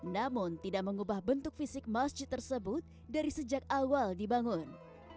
namun tidak mengubah bentuk fisik masjid tersebut dari sejak awal dibangun